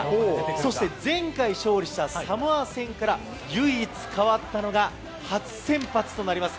そして前回勝利したサモア戦から唯一、変わったのが初先発となります